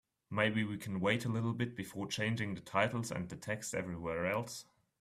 Maybe we can wait a little bit before changing the titles and the text everywhere else?